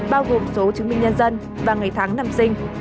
bao gồm số chứng minh nhân dân và ngày tháng năm sinh